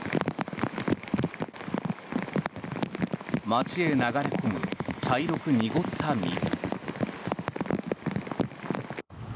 街へ流れ込む茶色く濁った水。